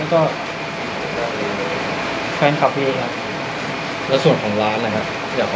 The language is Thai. แล้วก็ฟรานค์ขับของพี่เอ๊ะเนี้ยแล้วส่วนของร้านนะครับ